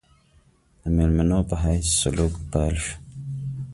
د مېلمنو په حیث سلوک پیل شو.